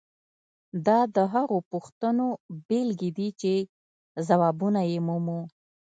دا د هغو پوښتنو بیلګې دي چې ځوابونه یې مومو.